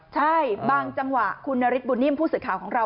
ใช่บางจังหวะคุณนฤทธบุญนิ่มผู้สื่อข่าวของเรา